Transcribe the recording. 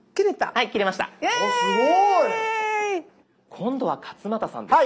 今度は勝俣さんです。